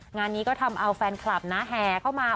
งานนี้ก็ทำเอาแฟนคลับนะแห่เข้ามา